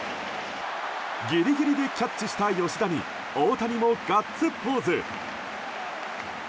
ギリギリでキャッチした吉田に大谷もガッツポーズ。